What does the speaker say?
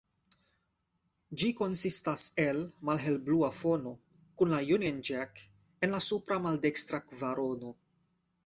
Ĝi konsistas el malhelblua fono, kun la Union Jack en la supra maldekstra kvarono.